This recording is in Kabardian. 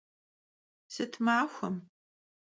Sıt maxuem?